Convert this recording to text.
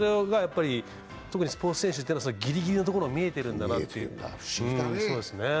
特にスポーツ選手はぎりぎりのところが見えてるんだなって。